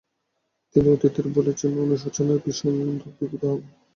তিনি অতীতের ভুলের জন্য অনুশোচনায় ভীষণ দগ্ধিভূত হন।